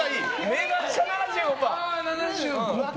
めっちゃ７５％！７５％。